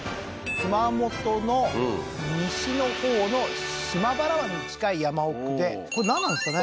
熊本の西のほうの島原湾に近い山奥でこれなんなんですかね？